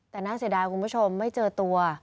แต่น่าเสียดายคุณผู้ชมไม่เจอตัว